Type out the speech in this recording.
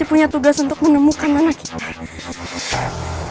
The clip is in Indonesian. kita punya tugas untuk menemukan anak kita